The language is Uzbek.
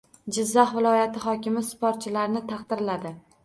Jizzax viloyati hokimi sportchilarni taqdirladi